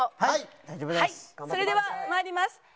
はいそれでは参ります。